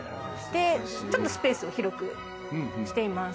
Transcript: ちょっとスペースを広くしています。